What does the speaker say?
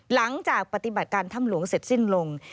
หลังจากปฏิบัติการถ้ำหลวงเสร็จสิ้นลง